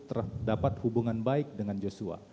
terdapat hubungan baik dengan joshua